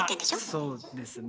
そうですね。